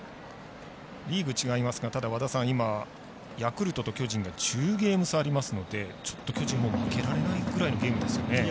リーグ違いますがヤクルトと巨人１０ゲーム差ありますのでちょっと巨人も負けられないぐらいのゲームですよね。